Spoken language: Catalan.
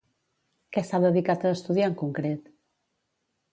Què s'ha dedicat a estudiar en concret?